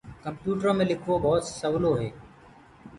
ڪمپيوُٽرو مي لکوو ڀوت سولو هي۔